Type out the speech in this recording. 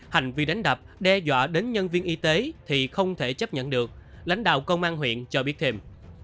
hành vi đánh đập đe dọa đến nhân viên y tế thì không thể chấp nhận được lãnh đạo công an huyện cho biết thêm